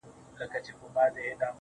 د نوښت فلسفه نه مني